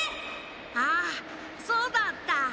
ああそうだった！